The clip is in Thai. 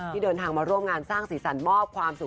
เดินทางมาร่วมงานสร้างสีสันมอบความสุข